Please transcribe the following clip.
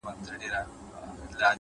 زحمت د موخو د رسېدو بیړۍ ده’